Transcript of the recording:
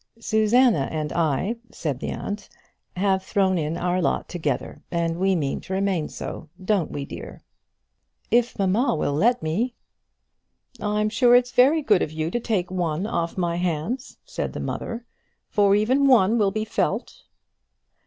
"Susanna and I," said the aunt, "have thrown in our lot together, and we mean to remain so; don't we, dear?" "If mamma will let me." "I'm sure it's very good of you to take one off my hands," said the mother, "for even one will be felt."